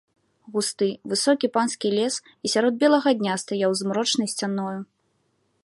Густы, высокі панскі лес і сярод белага дня стаяў змрочнай сцяною.